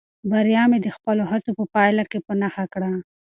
بریا مې د خپلو هڅو په پایله کې په نښه کړه.